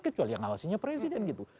kecuali yang ngawasinya presiden gitu